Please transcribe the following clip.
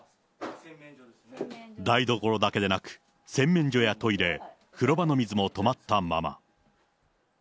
台所だけでなく、洗面所やトイレ、風呂場の水も止まったまま。